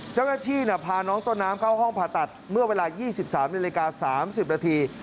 เจ้าหน้าที่พาน้องต้นน้ำเข้าห้องผ่าตัดเมื่อเวลา๒๓นาฬิกา๓๐นาที